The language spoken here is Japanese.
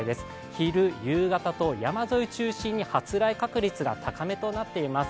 昼、夕方と山沿い中心に発雷確率が高めとなっています。